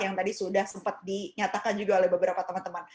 yang tadi sudah sempat dinyatakan juga oleh beberapa teman teman